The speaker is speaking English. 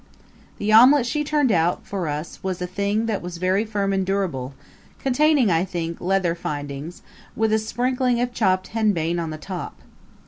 The omelet she turned out for us was a thing that was very firm and durable, containing, I think, leather findings, with a sprinkling of chopped henbane on the top.